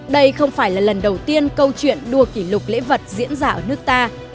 đây không phải là lần đầu tiên câu chuyện đua kỷ lục lễ vật diễn ra ở nước ta